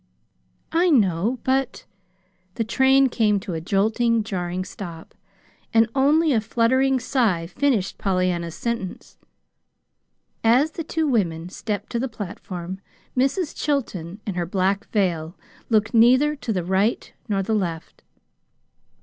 "I know, but " The train came to a jolting, jarring stop, and only a fluttering sigh finished Pollyanna's sentence. As the two women stepped to the platform, Mrs. Chilton, in her black veil, looked neither to the right nor the left.